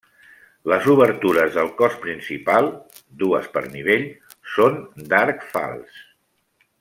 Les obertures del cos principal -dues per nivell- són d'arc fals.